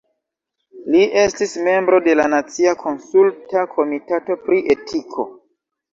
Li estis membro de la Nacia Konsulta Komitato pri Etiko.